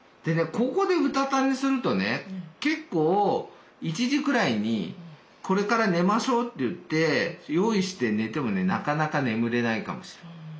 ここでうたた寝するとね結構１時くらいにこれから寝ましょうといって用意して寝てもねなかなか眠れないかもしれない。